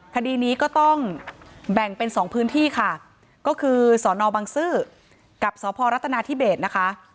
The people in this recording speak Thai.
คดีนี้ก็ต้องแบ่งเป็นสองพื้นที่ค่ะก็คือสอนอบังซื้อกับสพรัฐนาธิเบสนะคะ